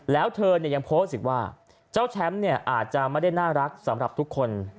แล้วเธอยังโพสต์อีกว่าเจ้าแชมป์อาจจะไม่ได้น่ารักสำหรับทุกคน